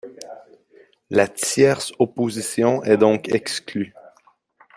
La tierce-opposition est donc exclue.